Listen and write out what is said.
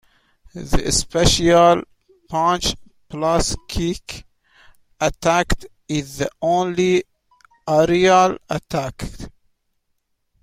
The special punch-plus-kick attack is the only aerial attack.